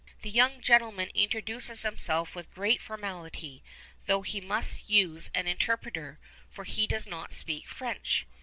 The young gentleman introduces himself with great formality, though he must use an interpreter, for he does not speak French.